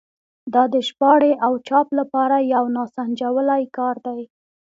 دا د ژباړې او چاپ لپاره یو ناسنجولی کار دی.